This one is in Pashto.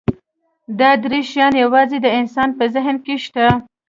دا درې شیان یواځې د انسان په ذهن کې شته.